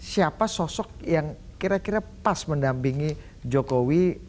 siapa sosok yang kira kira pas mendampingi jokowi